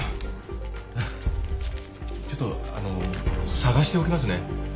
ちょっとあの探しておきますね。